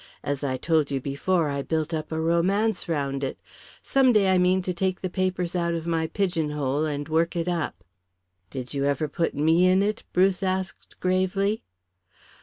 As I told you before, I built up a romance round it. Some day I mean to take the papers out of my pigeonhole and work it up." "Did you ever put me in it?" Bruce asked gravely.